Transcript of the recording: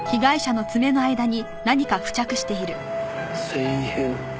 繊維片。